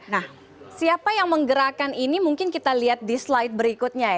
nah siapa yang menggerakkan ini mungkin kita lihat di slide berikutnya ya